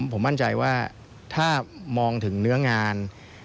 ผมมั่นใจว่าถ้ามองถึงเนื้องาน